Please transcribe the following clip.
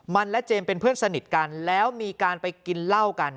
มันและเจมส์เป็นเพื่อนสนิทกันแล้วมีการไปกินเหล้ากัน